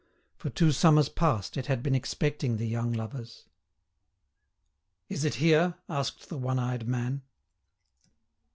For two summers past it had been expecting the young lovers. "Is it here?" asked the one eyed man.